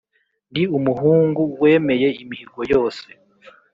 Ndi umuhungu wemeye imihigo yose.